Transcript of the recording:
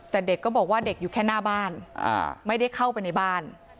แต่เด็กก็บอกว่าเด็กอยู่แค่หน้าบ้านไม่ได้เข้าไปในบ้าน